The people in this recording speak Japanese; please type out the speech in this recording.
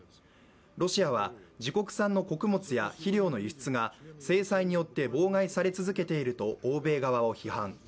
ロシアは自国産の穀物や肥料の輸出が制裁によって妨害され続けていると欧米側を批判。